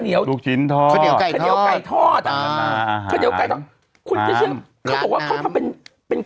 เหนียวลูกชิ้นทอดขนาดอาหารค่าเขาบอกว่าเขามาเป็นเป็น